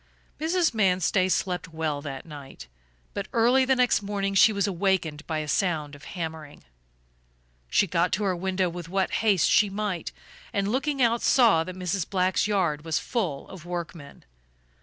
Mrs. Manstey slept well that night, but early the next morning she was awakened by a sound of hammering. She got to her window with what haste she might and, looking out saw that Mrs. Black's yard was full of workmen.